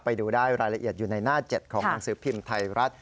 ไปดูได้รายละเอียดอยู่ในหน้า๗ของหนังสือพิมพ์ไทยรัฐ